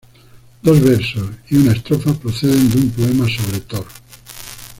Dos versos y una estrofa proceden de un poema sobre Thor.